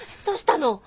どうしたの？